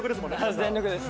全力です。